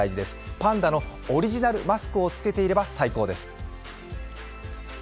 パンダのオリジナルマスクをつけていれば最高です。